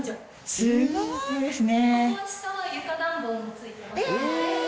すごいですね。